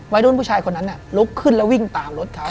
วัยรุ่นผู้ชายคนนั้นลุกขึ้นแล้ววิ่งตามรถเขา